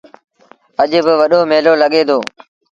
اَڄ با وڏو ميلو لڳي دو۔